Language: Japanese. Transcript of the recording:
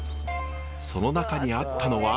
その中にあったのは。